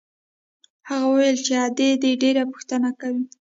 هغه وويل چې ادې دې ډېره پوښتنه کوي.